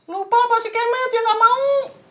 lupa apa si kemet ya nggak mau